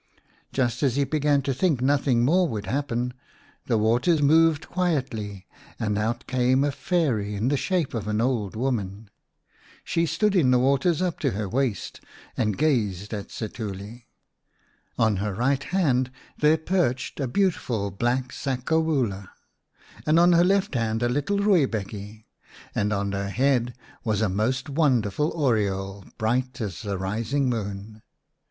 Just as he began to think nothing more would happen, the water moved quietly and out came a Fairy in the shape of an old woman. She stood in the waters up to her waist and gazed 5 Setuli ; i at Setuli. On her right hand there perched a beautiful black sakobula, on her left hand a little rooibekkie, and on her head was a most wonder ful oriole, bright as the rising moon.